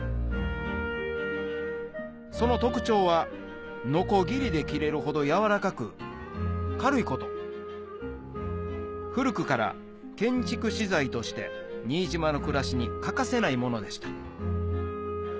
その特徴はノコギリで切れるほどやわらかく軽いこと古くから建築資材として新島の暮らしに欠かせないものでした